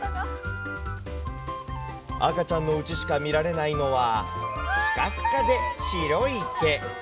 赤ちゃんのうちしか見られないのは、ふかふかで白い毛。